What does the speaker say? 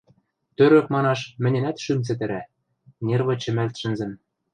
Тӧрӧк манаш, мӹньӹнӓт шӱм цӹтӹрӓ, нервӹ чӹмӓлт шӹнзӹн.